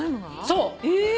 そう。